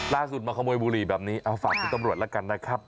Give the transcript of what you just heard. มาขโมยบุหรี่แบบนี้เอาฝากคุณตำรวจแล้วกันนะครับ